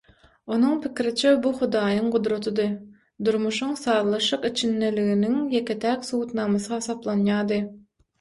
Onuň pikiriçe bu Hudaýyň gudratydy, durmuşyň sazlaşyk içindeliginiň ýeke-täk subutnamasy hasaplaýardy.